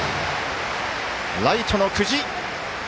ライトの久慈！